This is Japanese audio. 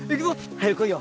早く来いよ。